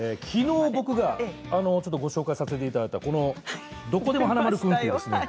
きのう僕がちょっとご紹介させていただいたこの、どこでも華丸君といいます。